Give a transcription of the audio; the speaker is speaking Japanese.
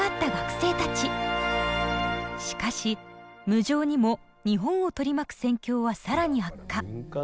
しかし無情にも日本を取り巻く戦況は更に悪化。